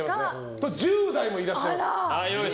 あと、１０代もいらっしゃいます。